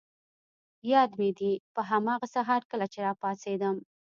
یاد مي دي، په هماغه سهار کله چي راپاڅېدم.